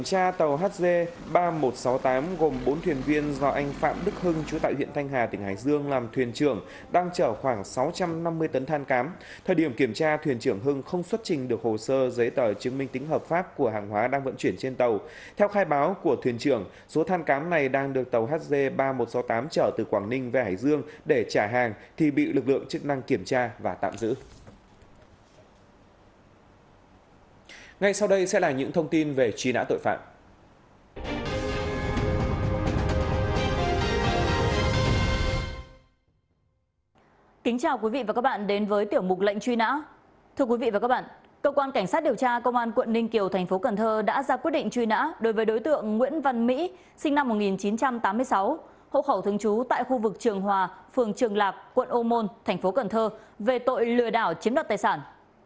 thưa quý vị và các bạn cơ quan cảnh sát điều tra công an quận ninh kiều tp cần thơ đã ra quyết định truy nã đối với đối tượng nguyễn văn mỹ sinh năm một nghìn chín trăm tám mươi sáu hỗ khẩu thương chú tại khu vực trường hòa phường trường lạc quận ô môn tp cần thơ về tội lừa đảo chiếm đoạt tài sản